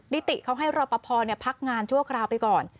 นิติเขาให้รอปภพักงานชั่วคราวไปก่อน